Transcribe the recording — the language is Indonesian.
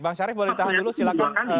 bang syarif boleh ditahan dulu silahkan